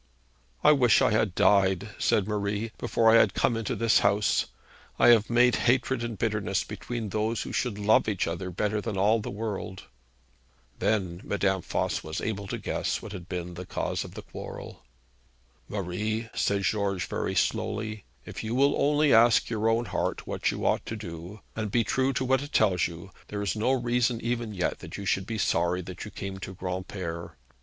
'I wish I had died,' said Marie, 'before I had come into this house. I have made hatred and bitterness between those who should love each other better than all the world!' Then Madame Voss was able to guess what had been the cause of the quarrel. 'Marie,' said George very slowly, 'if you will only ask your own heart what you ought to do, and be true to what it tells you, there is no reason even yet that you should be sorry that you came to Granpere.